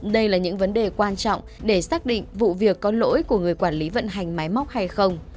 đây là những vấn đề quan trọng để xác định vụ việc có lỗi của người quản lý vận hành máy móc hay không